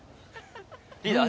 リーダー